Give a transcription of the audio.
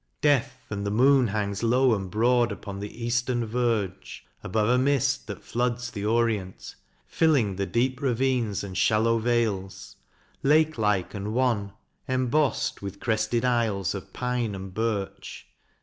Death and the moon Hangs low and broad upon the eastern verge Above a mist that floods the orient, Filling the deep ravines and shallow vales, Lake like and wan, embossed with crested isles Of pine and birch.